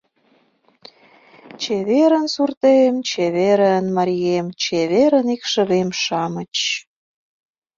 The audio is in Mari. — Чеверын, суртем, чеверын, марием, чеверын, икшывем-шамыч.